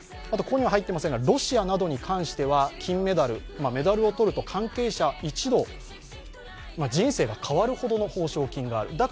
あとここには入っていませんがロシアなどに関しては金メダル、メダルを取ると、関係者一同、人生が変わるほどの報奨金がある。